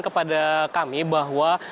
kepada kami bahwa